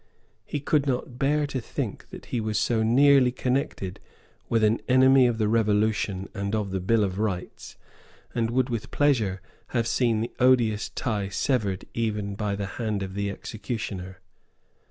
He could not bear to think that he was so nearly connected with an enemy of the Revolution and of the Bill of Rights, and would with pleasure have seen the odious tie severed even by the hand of the executioner.